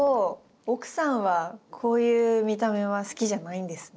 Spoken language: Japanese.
奥さんはこういう見た目は好きじゃないんですね。